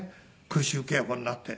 空襲警報が鳴って。